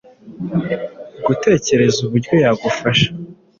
gutekereza uburyo yagufasha